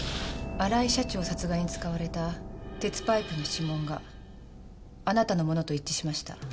荒井社長殺害に使われた鉄パイプの指紋があなたのものと一致しました。